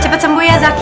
cepet sembuh ya zaky